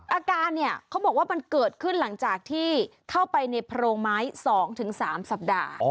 อาการเนี่ยเขาบอกว่ามันเกิดขึ้นหลังจากที่เข้าไปในโพรงไม้๒๓สัปดาห์